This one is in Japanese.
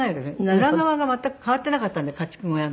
裏側が全く変わってなかったので家畜小屋の。